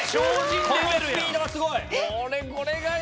このスピードはすごい！